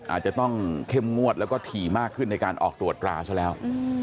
อาจจะต้องเข้มงวดแล้วก็ถี่มากขึ้นในการออกตรวจตราซะแล้ว